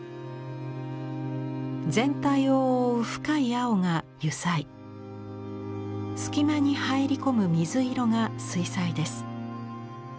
全体を覆う深い青が油彩隙間に入り込む水色が水彩です。